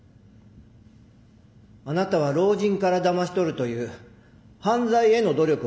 あなたは老人からだまし取るという犯罪への努力は惜しまなかった。